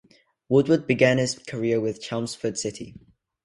Woodward began his career with Chelmsford City.